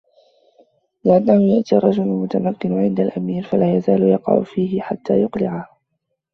لِأَنَّهُ يَأْتِي الرَّجُلَ الْمُتَمَكِّنَ عِنْدَ الْأَمِيرِ فَلَا يَزَالُ يَقَعُ فِيهِ حَتَّى يَقْلَعَهُ